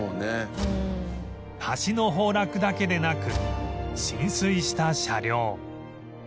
橋の崩落だけでなく浸水した車両